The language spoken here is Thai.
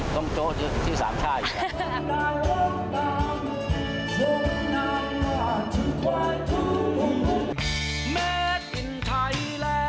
ต้องโจ๊ะที่สามชาติ